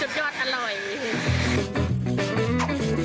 อ๋อจ้ะสุดยอดอร่อย